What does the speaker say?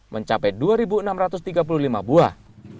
mencapai dua enam ratus tiga puluh lima buah